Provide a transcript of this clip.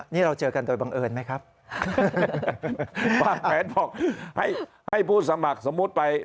นี่เราเจอกันโดยบังเอิญไหมครับวางแผนบอกให้ให้ผู้สมัครสมมุติไป